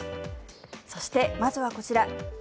そして、まずはこちら。